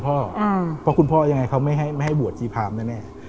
เพราะคุณพ่อยังไงเขาไม่ให้บวชชีพรามแน่